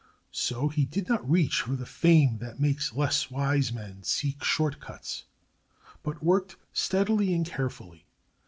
So he did not reach for the fame that makes less wise men seek short cuts, but worked steadily and carefully.